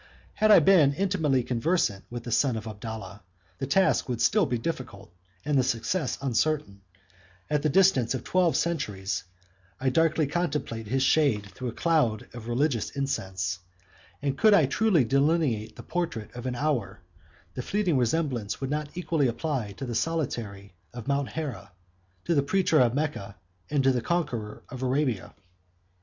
Had I been intimately conversant with the son of Abdallah, the task would still be difficult, and the success uncertain: at the distance of twelve centuries, I darkly contemplate his shade through a cloud of religious incense; and could I truly delineate the portrait of an hour, the fleeting resemblance would not equally apply to the solitary of Mount Hera, to the preacher of Mecca, and to the conqueror of Arabia.